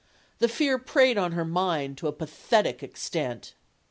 The fear preyed on her mind, to a pathetic extent.